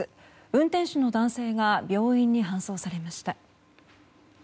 運転手の男性が病院に搬送されました。